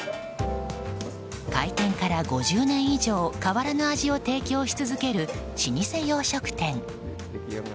開店から５０年以上変わらぬ味を提供し続ける老舗洋食店。